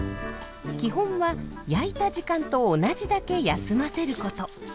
基本は焼いた時間と同じだけ休ませること。